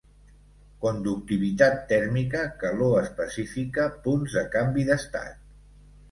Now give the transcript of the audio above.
Conductivitat tèrmica, calor específica, punts de canvi d'estat.